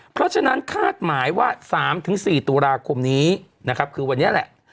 เพราะฉะนั้นคาดหมายว่า๓๔ตุลาคมนี้นะครับคือวันนี้แหละ